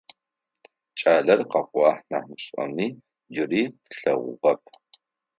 Кӏалэр къэкӏуагъ нахь мышӏэми, джыри тлъэгъугъэп.